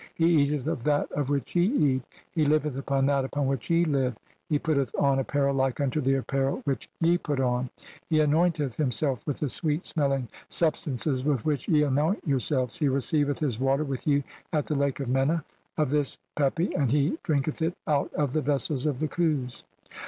He eateth of that of "which ye eat, he liveth upon that upon which ye live, he "putteth on apparel like unto the apparel which ye put CXLII INTRODUCTION. "on, he anointeth himself with the sweet smelling sub stances with which ye anoint yourselves, he receiveth "his water with you at the lake of Mena of this Pepi, "and he drinketh it out of the vessels of the Khus."